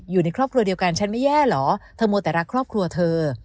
อยู่ในครอบครัวเดียวกันฉันไม่แย่เหรอเธอมัวแต่รักครอบครัวเธอ